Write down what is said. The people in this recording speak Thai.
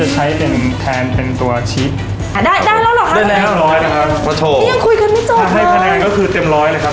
ก็คือเต็มร้อยเลยครับเมื่อกี้ยังไงแหละร้อยเต็มห้าร้อยด้วย